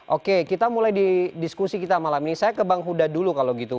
oke kita mulai di diskusi kita malam ini saya ke bang huda dulu kalau gitu